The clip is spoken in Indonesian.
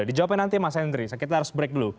dijawabin nanti mas hendri kita harus break dulu